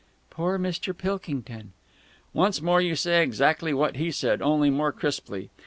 "Poor Mr. Pilkington!' "Once more you say exactly what he said, only more crisply.